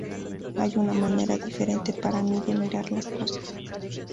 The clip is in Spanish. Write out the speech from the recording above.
Hay una manera diferente para mí de mirar las cosas.